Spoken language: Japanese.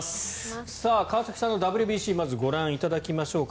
川崎さんのＷＢＣをまずご覧いただきましょうか。